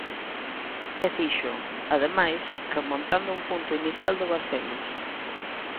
E fíxoo, ademais, remontando un punto inicial do Barcelos.